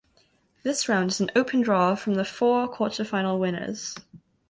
This round is an open draw from the four Quarter Final winners.